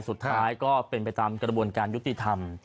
สุดท้ายก็เป็นไปตามกระบวนการยุติธรรม